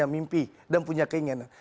mimpi dan punya keinginan